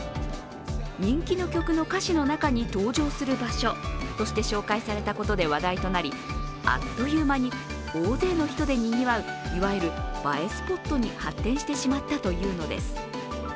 人気の曲の歌詞の中に登場する場所として紹介されたことで話題となりあっという間に大勢の人でにぎわういわゆる映えスポットに発展してしまったというのです。